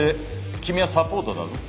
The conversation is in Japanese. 君はサポートだぞ。